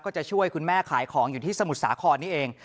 จะช่วยคุณแม่ขายของอยู่ที่สมุทรสาครนี่เอง